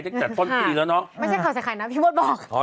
ตั้งแต่ต้นปีแล้วเนาะไม่ใช่ข่าวใส่ไข่นะพี่มดบอก